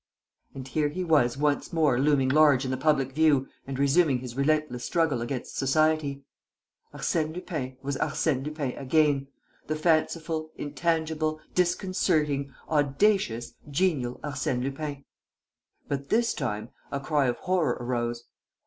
And here he was once more looming large in the public view and resuming his relentless struggle against society! Arsène Lupin was Arsène Lupin again, the fanciful, intangible, disconcerting, audacious, genial Arsène Lupin! But, this time, a cry of horror arose.